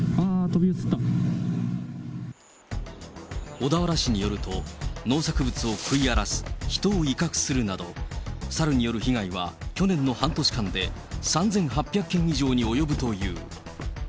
小田原市によると、農作物を食い荒らす、人を威嚇するなど、サルによる被害は去年の半年間で３８００件以上に及ぶという。